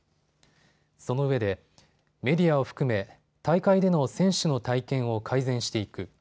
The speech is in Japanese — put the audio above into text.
そのうえでメディアを含め大会での選手の体験を改善していく。